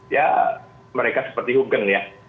ya mereka seperti hukum